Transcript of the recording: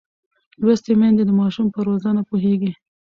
لوستې میندې د ماشوم پر روزنه پوهېږي.